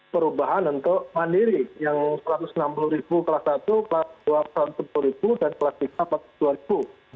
perubahan untuk mandiri yang rp satu ratus enam puluh kelas satu kelas dua rp satu ratus sepuluh dan kelas tiga rp empat puluh dua